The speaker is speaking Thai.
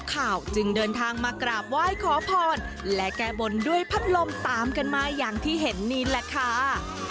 ข่าวจึงเดินทางมากราบไหว้ขอพรและแก้บนด้วยพัดลมตามกันมาอย่างที่เห็นนี่แหละค่ะ